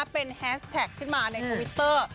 เป็นแฮสแท็กขึ้นมาในทวิตเตอร์